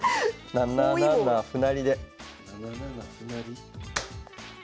７七歩成。